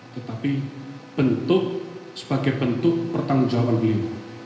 tetapi sebagai bentuk pertanggungjawaban beliau